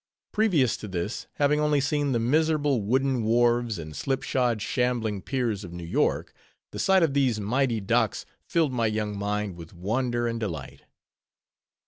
Previous to this, having only seen the miserable wooden wharves, and slip shod, shambling piers of New York, the sight of these mighty docks filled my young mind with wonder and delight.